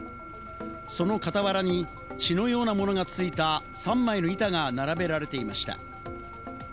その傍らに血のようなものが付いた３枚の板が並べられていました。